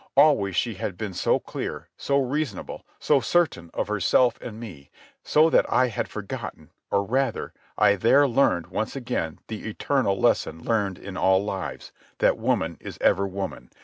Always she had been so clear, so reasonable, so certain of herself and me, so that I had forgotten, or, rather, I there learned once again the eternal lesson learned in all lives, that woman is ever woman